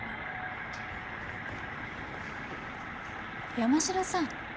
山城さん。